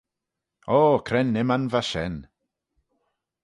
O! Cre'n imman va shen.